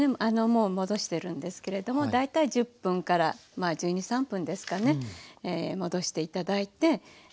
もう戻してるんですけれども大体１０分から１２１３分ですかね戻して頂いて。